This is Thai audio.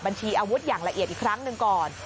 อาวุธอย่างละเอียดอีกครั้งหนึ่งก่อน